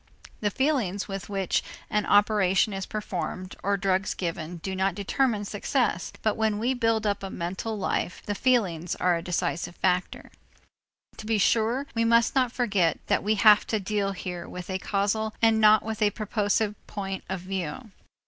The feelings with which an operation is performed or drugs given do not determine success, but when we build up a mental life, the feelings are a decisive factor. To be sure, we must not forget that we have to deal here with a causal and not with a purposive point of view.